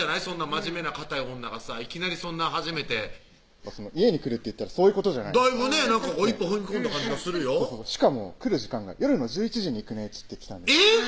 真面目なかたい女がさいきなりそんな初めて家に来るっていったらそういうことじゃないですかだいぶね一歩踏み込んだ感じがするよしかも来る時間が「夜の１１時に行くね」ってえっ